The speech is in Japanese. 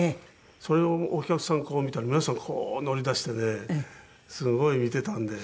それをお客さんの顔見たら皆さんこう乗り出してねすごい見ていたんで。